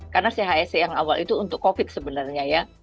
karena chse yang awal itu untuk covid sebenarnya ya